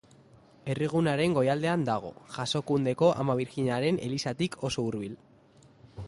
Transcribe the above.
Herrigunearen goialdean dago, Jasokundeko Ama Birjinaren elizatik oso hurbil.